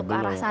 untuk arah sana